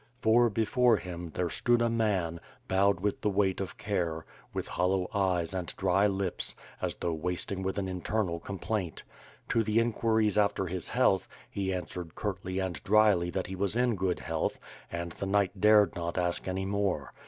'^ For, before him, there stood a man, bowed with the weight of care, with hollow eyes and dry lips, as though wasting with an internal complaint. To the inquiries after his health, he answered curtly and dryly that he was in good health, and the knight dared not ask any more.